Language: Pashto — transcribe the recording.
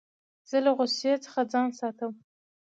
زه له غوسې څخه ځان ساتم.